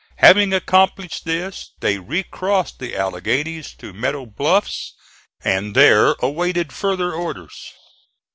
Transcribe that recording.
Having accomplished this they recrossed the Alleghanies to Meadow Bluffs and there awaited further orders.